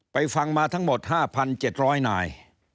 ฟังมาทั้งหมด๕๗๐๐นาย